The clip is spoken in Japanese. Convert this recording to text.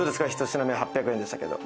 １品目８００円でしたけど。